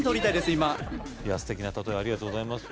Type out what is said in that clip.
今すてきな例えをありがとうございます